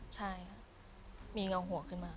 ใช่ค่ะมีเงาหัวขึ้นมา